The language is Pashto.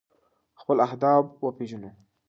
خپل اهداف وپیژنو.